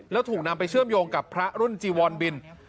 แล้วถูกนำไปเชื่อมโยงกับพระรุ่นจีวอนบิน